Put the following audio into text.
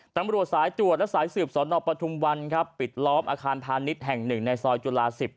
ชั้นบริวสายตรวจและสายเสืบเฉาะหนอบปทุมวัลครับปิดล้อมอาคารพาณิชย์แห่งหนึ่งในซอยจุฬาสิบ